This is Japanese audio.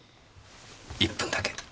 １分だけ。